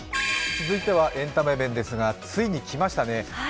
続いてはエンタメ面ですがついに来ましたね。